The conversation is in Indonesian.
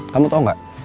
kamu tau gak